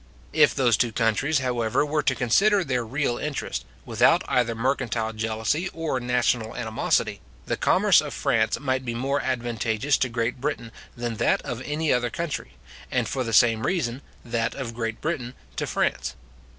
If those two countries, however, were to consider their real interest, without either mercantile jealousy or national animosity, the commerce of France might be more advantageous to Great Britain than that of any other country, and, for the same reason, that of Great Britain to France.